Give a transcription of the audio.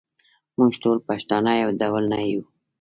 موږ ټول پښتانه یو ډول نه یوو.